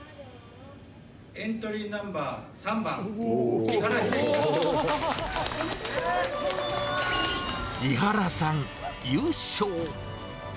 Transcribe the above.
エントリーナンバー３番、井原さん、優勝。